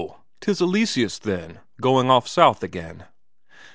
'Tis Eleseus, then, going off south again?"